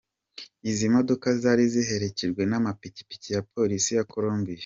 Izi modoka zari ziherecyejwe n'amapikipiki ya polisi ya Colombia.